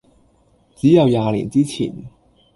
只有廿年以前，